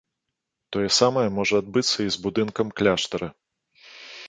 Тое самае можа адбыцца і з будынкам кляштара.